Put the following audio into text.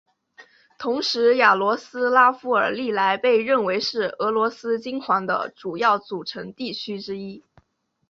同时雅罗斯拉夫尔历来被认为是俄罗斯金环的主要组成地区之一。